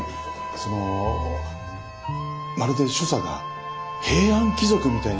そのまるで所作が平安貴族みたいにこう優雅なんだよね。